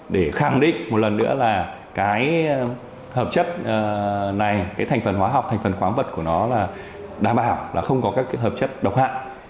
để khẳng định một lần nữa là cái hợp chất này cái thành phần hóa học thành phần khoáng vật của nó là đảm bảo là không có các hợp chất độc hại